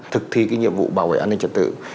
thực thi cái nhiệm vụ bảo vệ an ninh trật tự